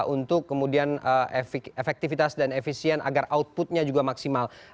untuk kemudian efektivitas dan efisien agar outputnya juga maksimal